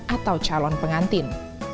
atau calon pengantin